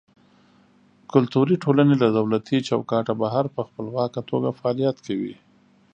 کلتوري ټولنې له دولتي چوکاټه بهر په خپلواکه توګه فعالیت کوي.